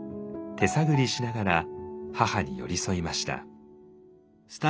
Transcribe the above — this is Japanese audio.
手探りしながら母に寄り添いました。